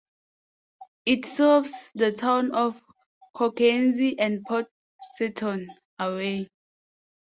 It serves the town of Cockenzie and Port Seton, away.